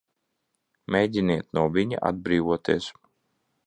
Mēģiniet no viņa atbrīvoties!